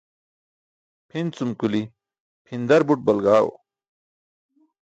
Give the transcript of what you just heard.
Pʰin cum kuli pʰindar but balagaẏo.